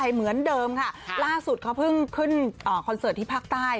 เหมือนเดิมค่ะล่าสุดเขาเพิ่งขึ้นคอนเสิร์ตที่ภาคใต้